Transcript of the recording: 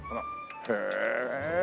へえ！